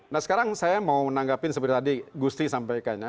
nah sekarang saya mau menanggapi seperti tadi gusti sampaikan ya